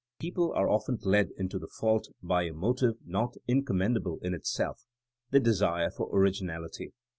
People are often led into the fault by a motive not incommendable in itself — ^the de sire for originality.